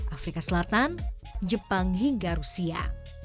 afrika selatan jepang hingga rusia